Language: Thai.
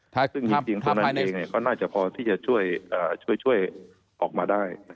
ซึ่งจริงเท่านั้นเองก็น่าจะพอที่จะช่วยออกมาได้